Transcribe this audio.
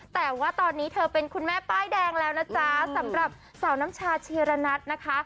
แต่ว่าตอนนี้เธอเป็นคุณแม่ป้ายแดงแล้วนะจ๊ะสำหรับสาวน้ำชาชีระนัทนะคะ